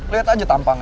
lihat aja tampangnya